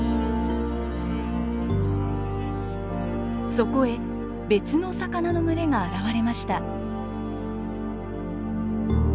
そこへ別の魚の群れが現れました。